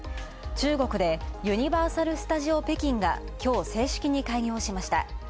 中国でユニバーサル・スタジオ・北京がきょう、正式に開業しました。